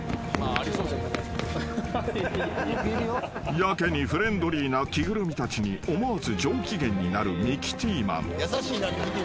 ［やけにフレンドリーな着ぐるみたちに思わず上機嫌になるミキティーマン］